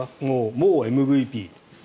もうＭＶＰ。